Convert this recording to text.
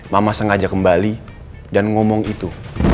mama sengaja kembali dan ngomong itu